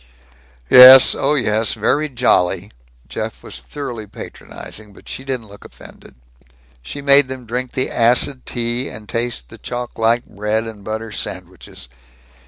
"Yes. Oh yes. Very jolly!" Jeff was thoroughly patronizing, but she didn't look offended. She made them drink the acid tea, and taste the chalk like bread and butter sandwiches.